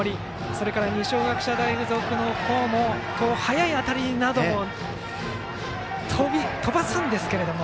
それから二松学舎大付属の方も速い当たりなども飛ばすんですけども。